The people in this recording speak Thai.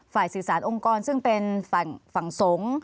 ฝ่ายศึกษาโรงกรซึ่งเป็นฝั่งสงฆ์